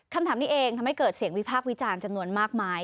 คำถามนี้เองทำให้เกิดเสียงวิพากษ์วิจารณ์จำนวนมากมาย